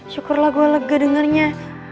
syukurlah gue lega dengernya